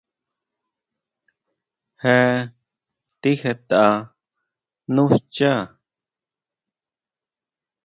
Je tijetʼa nú xchá.